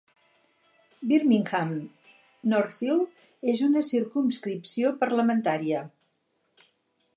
Birmingham Northfield és una circumscripció parlamentària.